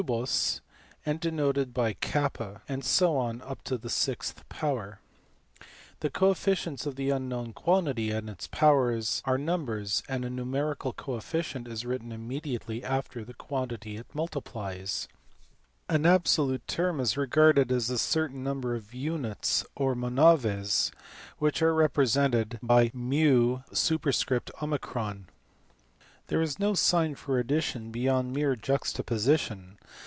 OS, and denoted by K \ and so on up to the sixth power. The coefficients of the unknown quantity and its powers are numbers, and a numerical coefficient is written immediately after the quantity it multiplies : thus s d = x, and ss 01 ta = ssia = llx. An absolute term is regarded as a certain number of units or /xova Ses which are represented by ju: thus /x s d 1, /x 5 ta = 11. There is no sign for addition beyond mere juxtaposition.